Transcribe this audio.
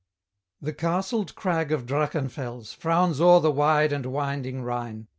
The castled crag of Drachenfels Frowns o'er the wide and winding Rhine.